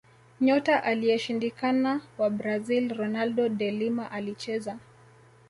nyota aliyeshindikana wa brazil ronaldo de lima alicheza